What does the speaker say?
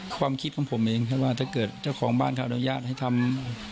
ความคิดของผมเองแค่ว่าถ้าเกิดเจ้าของบ้านเขาอนุญาตให้ทำ